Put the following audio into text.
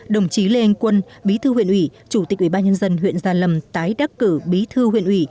đồng chí lê anh quân bí thư huyện ủy chủ tịch ubnd huyện gia lâm tái đắc cử bí thư huyện ủy